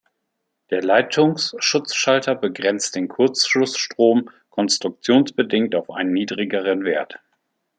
Der Leitungsschutzschalter begrenzt den Kurzschlussstrom konstruktionsbedingt auf einen niedrigeren Wert.